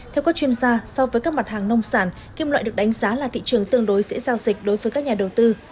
theo các chuyên gia so với các mặt hàng nông sản kim loại được đánh giá là thị trường tương đối dễ giao dịch đối với các nhà đầu tư